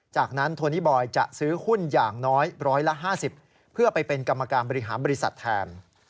จากนั้นโทนี่บอยจะซื้อหุ้นอย่างน้อย๑๕๐เพื่อไปเป็นกรรมการบริหารบริษัทแทน